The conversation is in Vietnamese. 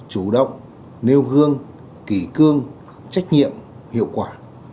chủ động nêu gương kỳ cương trách nhiệm hiệu quả